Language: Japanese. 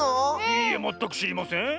いいえまったくしりません。